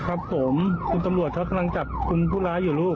ครับผมคุณสำรวจเขาสนับคุงผู้ร้ายอยู่ลูก